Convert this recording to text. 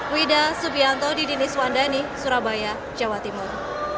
widha subianto di dini suandani surabaya jawa timur